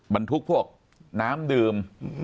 บรรทุกพวกน้ำดื่ม